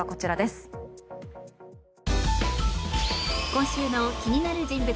今週の気になる人物